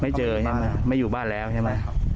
ไม่เจอใช่ไหมไม่อยู่บ้านแล้วใช่ไหม